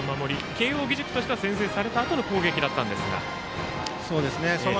慶応義塾としては先制されたあとの攻撃でしたが。